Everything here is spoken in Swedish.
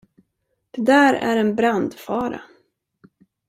Det där är en brandfara.